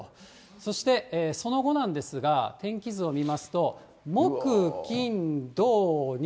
そして、その後なんですが、天気図を見ますと、木、金、土、日。